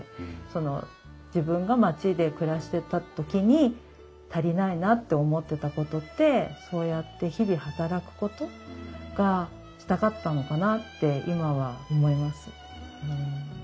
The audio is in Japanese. その自分が街で暮らしてた時に足りないなと思ってたことってそうやって日々働くことがしたかったのかなって今は思います。